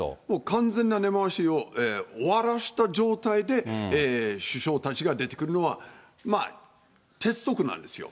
完全な根回しを終わらせた状態で首相たちが出てくるのは、鉄則なんですよ。